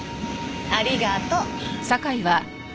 ありがとう。